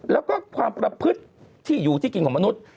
แล้วก็ความประพฤติที่อยู่ที่กินของมนุษย์